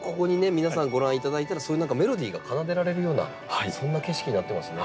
皆さんご覧いただいたらそういう何かメロディーが奏でられるようなそんな景色になってますね。